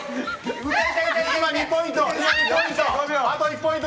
今、２ポイント。